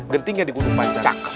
getingnya di gunung panjang